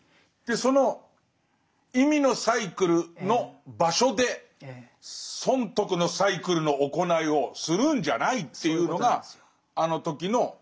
その意味のサイクルの場所で損得のサイクルの行いをするんじゃないっていうのがあの時のイエスの怒り。